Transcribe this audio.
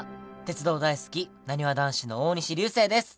鉄道大好きなにわ男子の大西流星です。